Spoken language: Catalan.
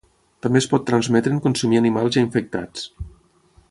També es pot transmetre en consumir animals ja infectats.